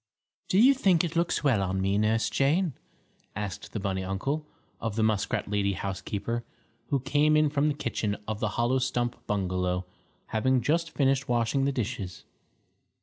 "Do you think it looks well on me, Nurse Jane?" asked the bunny uncle, of the muskrat lady housekeeper, who came in from the kitchen of the hollow stump bungalow, having just finished washing the dishes.